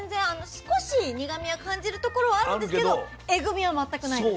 少し苦みを感じるところはあるんですけどえぐみは全くないんです。